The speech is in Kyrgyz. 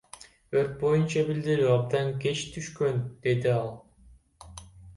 Өрт боюнча билдирүү абдан кеч түшкөн, — деди ал.